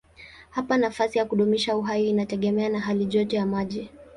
Hapa nafasi ya kudumisha uhai inategemea na halijoto ya maji.